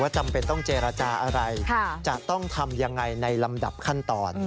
จำเป็นต้องเจรจาอะไรจะต้องทำยังไงในลำดับขั้นตอน